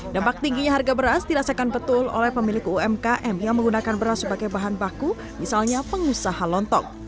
dampak tingginya harga beras dirasakan betul oleh pemilik umkm yang menggunakan beras sebagai bahan baku misalnya pengusaha lontong